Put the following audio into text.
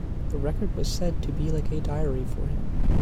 The record was said to be like a diary for him.